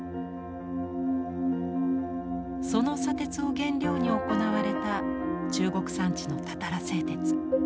その砂鉄を原料に行われた中国山地のたたら製鉄。